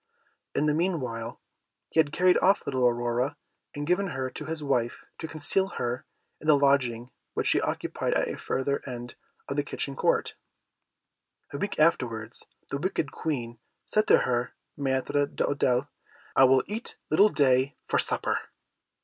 In the meanwhile, he had carried off little Aurora, and given her to his wife, to conceal her in the lodging which she occupied at the further end of the kitchen court. A week afterwards, the wicked Queen said to her Maître d'Hôtel, "I will eat little Day for supper."